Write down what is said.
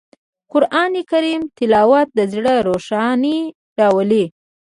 قرآن کریم تلاوت د زړه روښنايي راولي